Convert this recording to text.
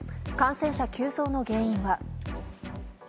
感染者急増の原因は。